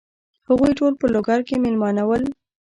هغوی ټول په لوګر کې مېلمانه ول.